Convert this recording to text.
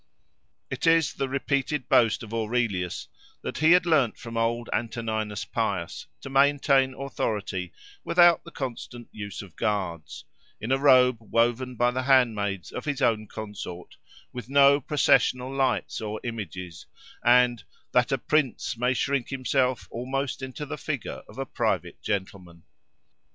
It is the repeated boast of Aurelius that he had learned from old Antoninus Pius to maintain authority without the constant use of guards, in a robe woven by the handmaids of his own consort, with no processional lights or images, and "that a prince may shrink himself almost into the figure of a private gentleman."